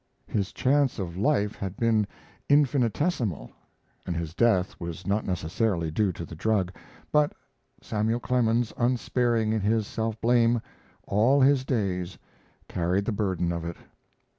His chance of life had been infinitesimal, and his death was not necessarily due to the drug, but Samuel Clemens, unsparing in his self blame, all his days carried the burden of it.